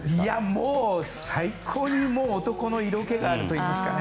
もう、最高に男の色気があるといいますか。